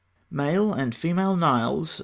Male and female Niles (fig.